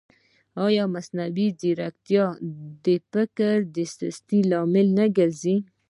ایا مصنوعي ځیرکتیا د فکري سستۍ لامل نه ګرځي؟